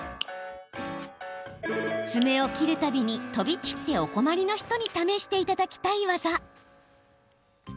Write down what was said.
爪を切るたびに飛び散ってお困りの人に試していただきたい技。